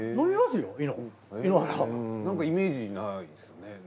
なんかイメージにないですね。